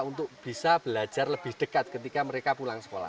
untuk bisa belajar lebih dekat ketika mereka pulang sekolah